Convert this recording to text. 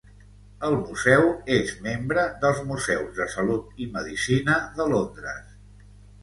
El museu és membre dels Museus de Salut i Medicina de Londres.